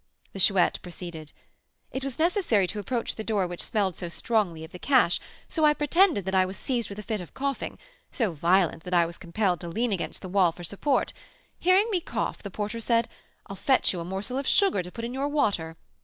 The Chouette proceeded: "It was necessary to approach the door which smelled so strongly of the cash, so I pretended that I was seized with a fit of coughing, so violent, that I was compelled to lean against the wall for support. Hearing me cough, the porter said,'I'll fetch you a morsel of sugar to put in your water.'